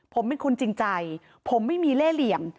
ผมเป็นคนจริงใจผมไม่มีเล่เหลี่ยม